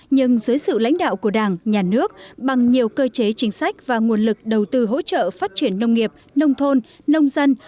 nhưng dưới sự lãnh đạo của đảng nhà nước bằng nhiều cơ chế chính sách và nguồn lực đầu tư hỗ trợ phát triển nông nghiệp nông thôn nông dân